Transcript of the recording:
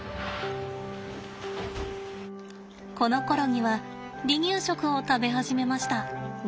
このころには離乳食を食べ始めました。